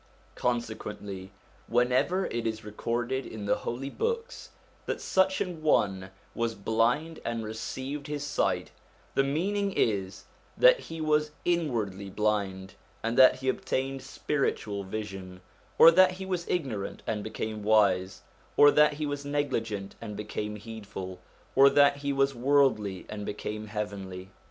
Con sequently, whenever it is recorded in the Holy Books that such an one was blind and recovered his sight, the meaning is that he was inwardly blind, and that he obtained spiritual vision, or that he was ignorant and became wise, or that he was negligent and became heedful, or that he was worldly and became heavenly.